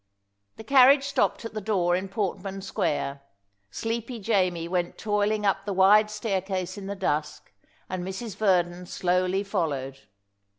The carriage stopped at the door in Portman Square. Sleepy Jamie went toiling up the wide staircase in the dusk, and Mrs. Verdon slowly followed.